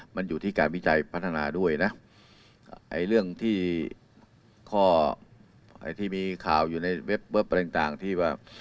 มันอยู่ที่การวิจัยพัฒนาด้วยนะไอ้เรื่องที่ข้อไอ้ที่มีข่าวอยู่ในเว็บอะไรต่างที่ว่า